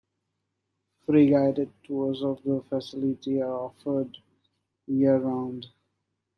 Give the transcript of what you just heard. Free guided tours of the facility are offered year-round.